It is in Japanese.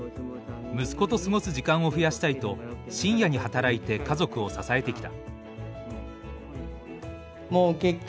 息子と過ごす時間を増やしたいと深夜に働いて家族を支えてきた。